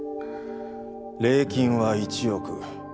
礼金は１億。